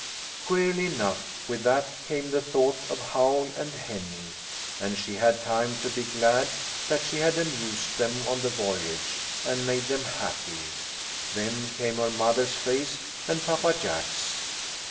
Queerly enough, with that came the thought of Howl and Henny, and she had time to be glad that she had amused them on the voyage, and made them happy. Then came her mother's face, and Papa Jack's.